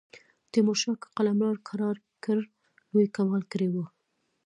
تیمورشاه که قلمرو کرار کړ لوی کمال کړی وي.